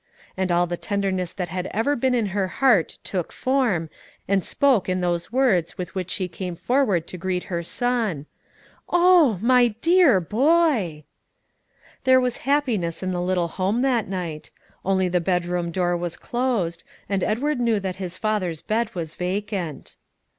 And all the tenderness that had ever been in her heart took form, and spoke in those words with which she came forward to greet her son, "Oh, my dear boy!" There was happiness in the little home that night; only the bedroom door was closed, and Edward knew that his father's bed was vacant.